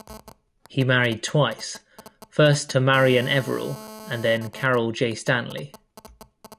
He married twice, first to Marian Everall and then Caryl J. Stanley.